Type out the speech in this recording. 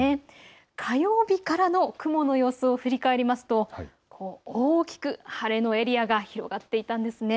火曜日からの雲の様子を振り返りますと大きく晴れのエリアが広がっていたんです。